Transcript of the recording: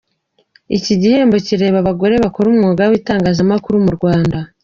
Iki gihembo kireba abagore bakora umwuga w'itangazamakuru mu Rwanda.